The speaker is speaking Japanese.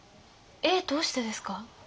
えっどうしてですか？